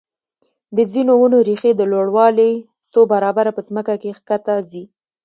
د ځینو ونو ریښې د لوړوالي څو برابره په ځمکه کې ښکته ځي.